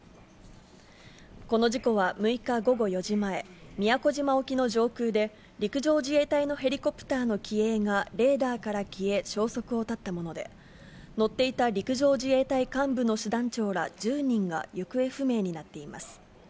この事故は６日午後４時前、宮古島沖の上空で、陸上自衛隊のヘリコプターの機影がレーダーから消え、消息を絶ったもので、乗っていた陸上自衛隊幹部の師団長ら１０人が行方不明になっています。